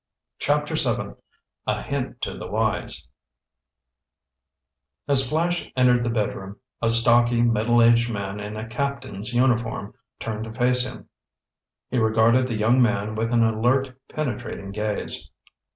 CHAPTER VII A HINT TO THE WISE As Flash entered the bedroom, a stocky, middle aged man in a captain's uniform, turned to face him. He regarded the young man with an alert, penetrating gaze.